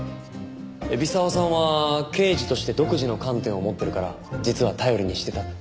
海老沢さんは刑事として独自の観点を持ってるから実は頼りにしてたって。